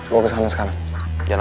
gue kesana sekarang